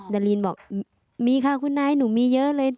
ดารินบอกมีค่ะคุณนายหนูมีเยอะเลย